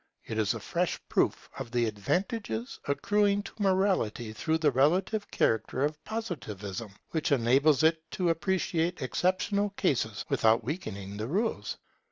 It is a fresh proof of the advantages accruing to Morality from the relative character of Positivism, which enables it to appreciate exceptional cases without weakening the rules.